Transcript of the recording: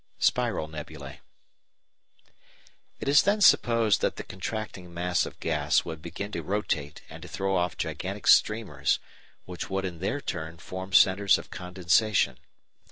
Spiral Nebulæ It is then supposed that the contracting mass of gas would begin to rotate and to throw off gigantic streamers, which would in their turn form centres of condensation.